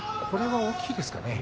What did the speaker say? これは大きいですか。